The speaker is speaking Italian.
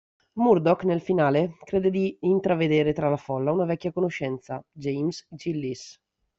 Murdoch nel finale crede di intravedere tra la folla una vecchia conoscenza, James Gillies.